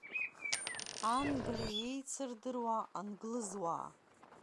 Англиа еицырдыруа англызуаа.